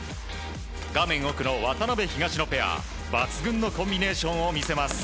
画面奥の渡辺、東野ペア抜群のコンビネーションを見せます。